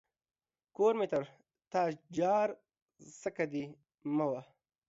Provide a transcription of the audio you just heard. کور مې تر تا جار ، څکه دي مه وه.